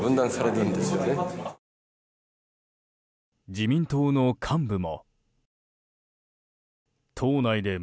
自民党の幹部も。